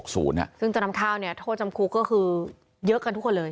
ซึ่งจะนำข้าวเนี่ยโทษจำคุกก็คือเยอะกันทุกคนเลย